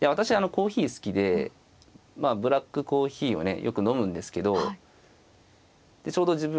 コーヒー好きでまあブラックコーヒーをねよく飲むんですけどちょうど自分がね